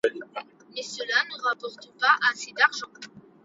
Mais cela ne rapporte pas assez d'argent.